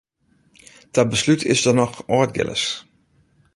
Ta beslút is der noch Aldgillis.